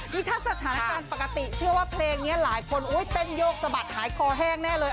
นี่ถ้าสถานการณ์ปกติเชื่อว่าเพลงนี้หลายคนเต้นโยกสะบัดหายคอแห้งแน่เลย